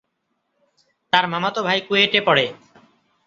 তার মামাতো ভাই কুয়েটে পড়ে।